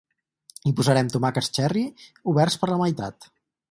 Hi posarem tomàquets xerri oberts per la meitat.